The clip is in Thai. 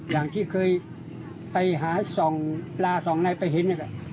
อย่างที่เคยไปหาสองปลาสองนายไปเห็น